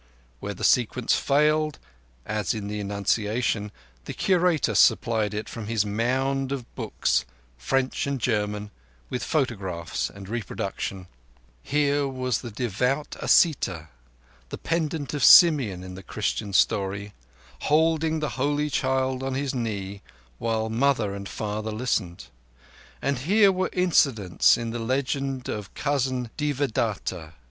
Where the sequence failed, as in the Annunciation, the Curator supplied it from his mound of books—French and German, with photographs and reproductions. Here was the devout Asita, the pendant of Simeon in the Christian story, holding the Holy Child on his knee while mother and father listened; and here were incidents in the legend of the cousin Devadatta.